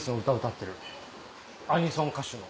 アニソン歌手の。